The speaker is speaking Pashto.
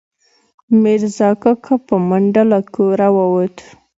میرزا کاکا، په منډه له کوره ووت